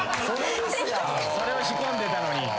それを仕込んでたのに。